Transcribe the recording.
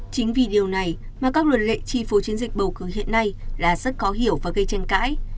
chính vì điều này mà các luật lệ chi phối chiến dịch bầu cử hiện nay là rất khó hiểu và gây tranh cãi